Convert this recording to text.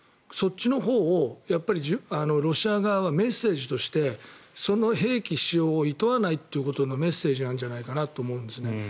そっちのほうをロシア側はメッセージとしてその兵器使用をいとわないというメッセージなんじゃないかと思うんですね。